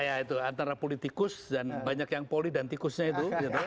ya itu antara politikus dan banyak yang poli dan tikusnya itu